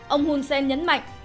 ông hun sen nhấn mạnh